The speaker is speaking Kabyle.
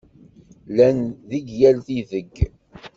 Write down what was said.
Llan deg yal ideg!